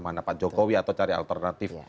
mana pak jokowi atau cari alternatif